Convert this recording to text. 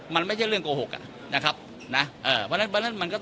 มันไม่ใช่เรื่องโกหกนะครับนะเอ่อเพราะฉะนั้นมันก็ต้อง